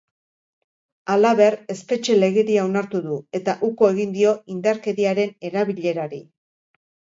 Halaber, espetxe legedia onartu du eta uko egin dio indarkeriaren erabilerari.